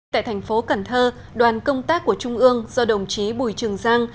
tại thành phố cần thơ đoàn công tác của trung ương do đồng chí bùi trường giang